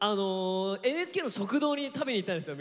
ＮＨＫの食堂に食べに行ったんですよ